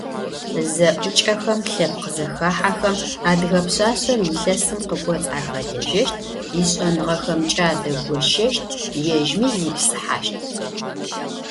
Зэӏукӏэхэм, лъэпкъ зэхахьэхэм адыгэ пшъашъэр илъэсым къыкӏоцӏ ахэлэжьэщт, ишӏэныгъэхэмкӏэ адэгощэщт, ежьми зипсыхьащт.